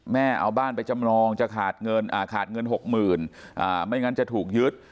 แม่เอาบ้านไปจำนองจะขาดเงิน๖หมื่นไม่งั้นจะถูกยึด